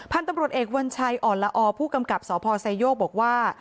พันธุ์ตำรวจเอกวัญชัยอ่อนละอผู้กำกับสพไซโยกบอกว่า